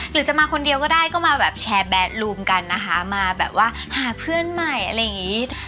หรือจะมาคนเดียวก็ได้ก็มาแบบแชร์แดดลูมกันนะคะมาแบบว่าหาเพื่อนใหม่อะไรอย่างนี้